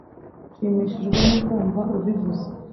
Nshimishijwe no kumva ubivuze